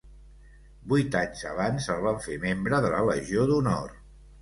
Vuit anys abans, el van fer membre de la Legió d'Honor.